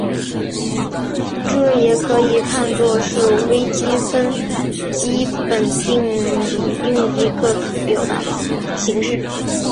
这也可以看作是微积分基本定理另一个表达形式。